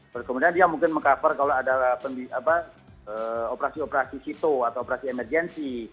terus kemudian dia mungkin meng cover kalau ada operasi operasi situ atau operasi emergensi